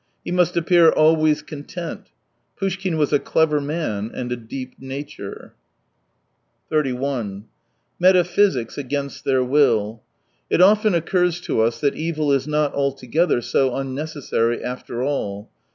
He must appear always con tent. ... Poushkin was a clever man and a deep nature. Metaphysics against their will. — It often ! occurs to us that evil is not altogether so unnecessary, after all.